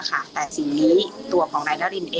อยากให้สังคมรับรู้ด้วย